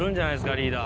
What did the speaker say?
リーダー。